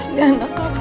ini anak kamu